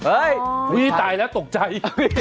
อุ๊ยตายแล้วตกใจ